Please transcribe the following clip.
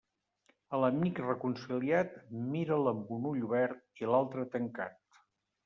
A l'amic reconciliat, mira'l amb un ull obert i l'altre tancat.